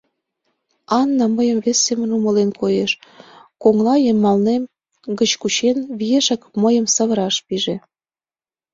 Анна мыйым вес семын умылен, коеш, коҥлайымалем гыч кучен, виешак мыйым савыраш пиже.